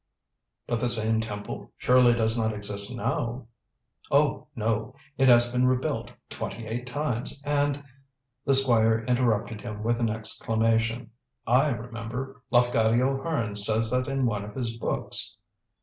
"But the same temple surely does not exist now?" "Oh, no. It has been rebuilt twenty eight times, and " The Squire interrupted him with an exclamation. "I remember! Lafcadio Hearn says that in one of his books."